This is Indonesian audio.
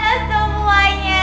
eh halo semuanya